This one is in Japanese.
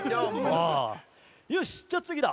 よしじゃあつぎだ！